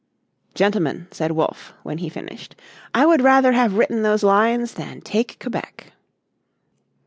"Gentlemen," said Wolfe when he finished, "I would rather have written those lines than take Quebec."